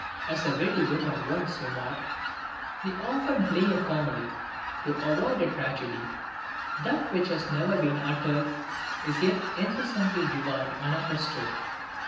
As a witty woman once remarked: "They often play a comedy, to avoid a tragedy!" That which has never been uttered, is yet incessantly divined and understood.